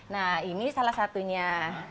nah ini salah satunya